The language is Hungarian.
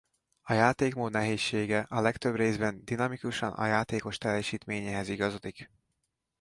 A játékmód nehézsége a legtöbb részben dinamikusan a játékos teljesítményéhez igazodik.